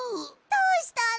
どうしたの！？